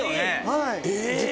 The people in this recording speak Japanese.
はい。